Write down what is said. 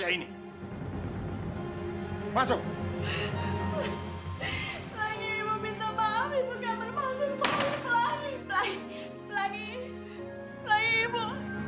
yang berpaksa mencari ibu